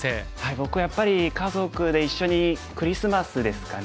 僕はやっぱり家族で一緒にクリスマスですかね。